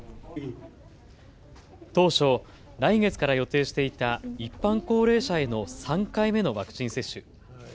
当初、来月から予定していた一般高齢者への３回目のワクチン接種。